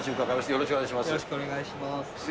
よろしくお願いします。